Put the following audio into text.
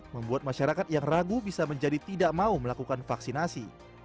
membuat masyarakat yang ragu bisa menjadi tidak mau melakukan vaksinasi